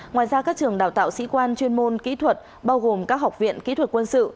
ngoài ra các trường đào tạo sĩ quan chuyên môn kỹ thuật bao gồm các học viện kỹ thuật quân sự